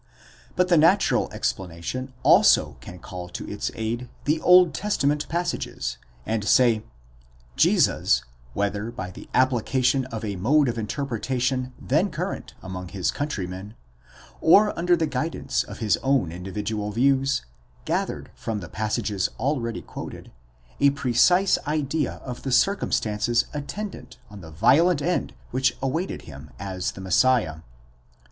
—But the natural explanation also can call to its aid the Old Testament passages, and say: Jesus, whether by the application of a mode of interpretation then current among his countrymen, or under the guidance of his own individual views, gathered from the passages already quoted, a precise idea of the circumstances attendant on the violent end which awaited him as the Messiah.